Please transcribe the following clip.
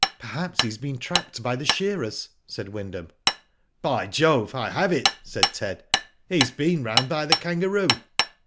"Perhaps he has been trapped by the shearers/* said Wyndham. .'• By Jove !" I have it/' said Ted. '' He's been round by the ' Kangaroo.'